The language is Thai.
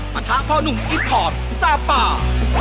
ปรรถทะพ่อนุอิปภอร์ฟซาปาร์